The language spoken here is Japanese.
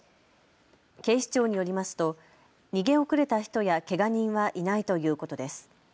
警視庁によりますと逃げ遅れた人やけが人はいないということです。